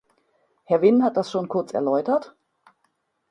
Herr Wynn hat das schon kurz erläutert.